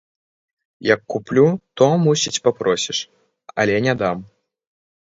Як куплю, то, мусіць, папросіш, але не дам.